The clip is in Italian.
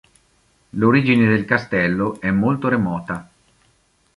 L'origine del castello è molto remota.